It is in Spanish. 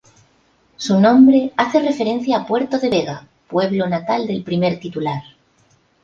Su nombre hace referencia a Puerto de Vega, pueblo natal del primer titular.